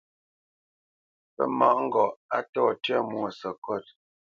Pə́ mâʼ ŋgɔʼ a ntô tyə̂ mwo sekot.